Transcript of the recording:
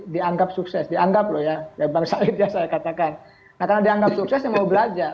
dianggap sukses dianggap loh ya ya bang said ya saya katakan karena dianggap suksesnya mau belajar